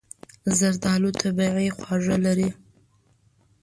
زردالو طبیعي خواږه لري.